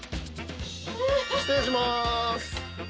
失礼します。